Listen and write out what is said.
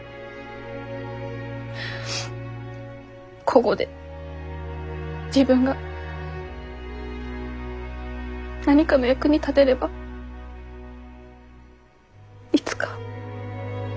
こごで自分が何かの役に立てればいつか。